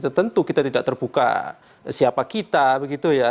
tertentu kita tidak terbuka siapa kita begitu ya